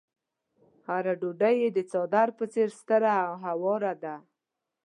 هره ډوډۍ يې د څادر په څېر ستره او هواره ده.